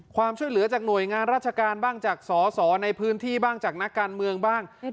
ความช่วยเหลือจากหน่วยงานราชการบ้างจากสอสอในพื้นที่บ้างจากนักการเมืองบ้าง